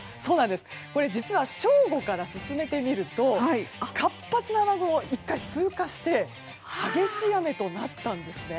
実は正午から進めてみると活発な雨雲が１回、通過して激しい雨となったんですね。